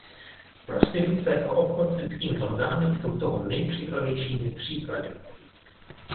Prostituce a obchod s lidskými orgány jsou toho nejkřiklavějšími příklady.